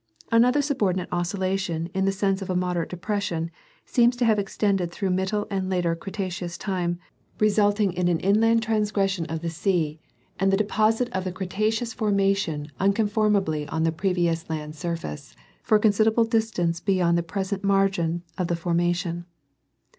* Another subordinate oscillation in the sense of a moderate depression seems to have extended through middle and later Cretaceous time, resulting in an inland transgression of the sea and the deposit of the Cretaceous formation unconform ably on the previous land surface for a considerable distance be yond the present margin of the formation.